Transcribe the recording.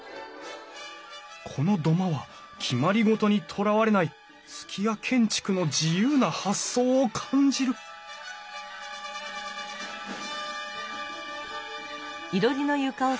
この土間は決まり事にとらわれない数寄屋建築の自由な発想を感じるうん？